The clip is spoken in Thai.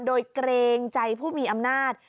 โดยเกรงใจผู้มีอำนาจ